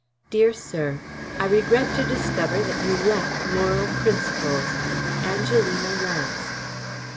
DEAR SIR: I regret to discover that you lack moral principles. ANGELINA LANCE.